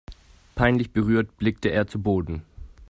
Peinlich berührt blickte er zu Boden.